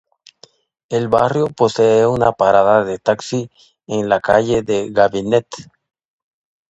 El barrio posee una parada de taxi en la calle de Ganivet.